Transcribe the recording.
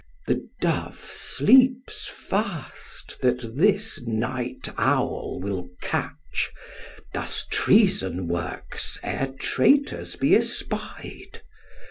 The dove sleeps fast that this night owl will catch: Thus treason works ere traitors be espied.